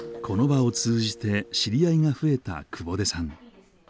この場を通じて知り合いが増えた久保出さん。